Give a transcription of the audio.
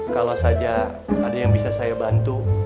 kalau saja ada yang bisa saya bantu